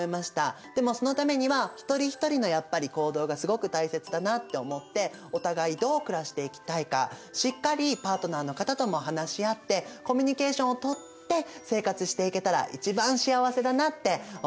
でもそのためには一人一人のやっぱり行動がすごく大切だなって思ってお互いどう暮らしていきたいかしっかりパートナーの方とも話し合ってコミュニケーションをとって生活していけたら一番幸せだなって思いました。